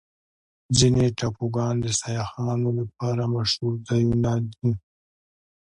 ځینې ټاپوګان د سیاحانو لپاره مشهوره ځایونه دي.